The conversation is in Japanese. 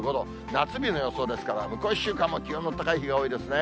夏日の予想ですから、向こう１週間も気温の高い日が多いですね。